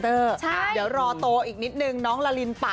เดี๋ยวรอโตอีกนิดนึงน้องลาลินปะ